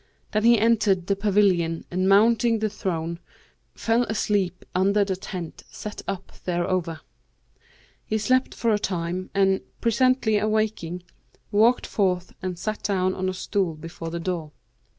Then he entered the pavilion and mounting the throne, fell asleep under the tent set up thereover. He slept for a time and, presently awaking, walked forth and sat down on a stool before the door.